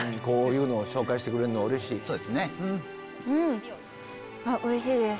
こういうのを紹介してくれるのはうれしい。